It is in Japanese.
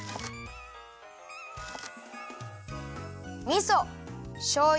みそしょうゆ。